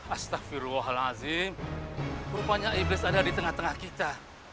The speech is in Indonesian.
astagfirullahalazim rupanya iblis ada di dalam diri